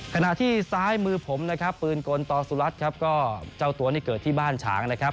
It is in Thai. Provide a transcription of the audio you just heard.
ขณะที่ซ้ายมือผมนะครับปืนกลต่อสุรัตน์ครับก็เจ้าตัวนี่เกิดที่บ้านฉางนะครับ